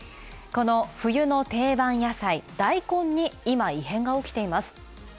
この冬の定番野菜、ダイコンに今異変が起きています。